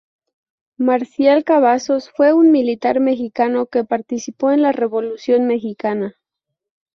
Marcial Cavazos fue un militar mexicano que participó en la Revolución mexicana.